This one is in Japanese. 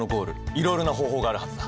いろいろな方法があるはずだ。